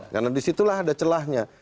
karena disitulah ada celahnya